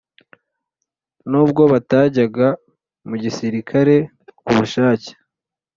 Nubwo batajyaga mu gisirikare ku bushake